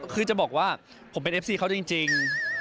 คือจะบอกว่าผมเป็นเอฟซีเขาจริง